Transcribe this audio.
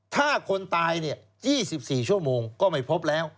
ถ้าคนตาย๒๔ชั่วโมงก็ไม่พบแล้ว